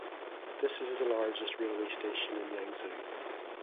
This is the largest railway station in Yangzhou.